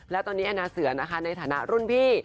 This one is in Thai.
แล้วตอนนี้แอนนาเสือนะคะในฐานะรุ่นพี่